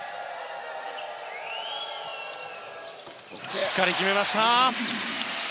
しっかり２本目を決めました。